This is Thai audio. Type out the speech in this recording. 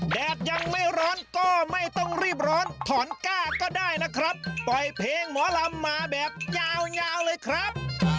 แดดยังไม่ร้อนก็ไม่ต้องรีบร้อนถอนก้าก็ได้นะครับปล่อยเพลงหมอลำมาแบบยาวยาวเลยครับ